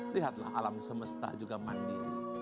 lihatlah alam semesta juga mandiri